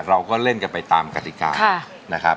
เราก็เล่นกันไปตามกติกานะครับ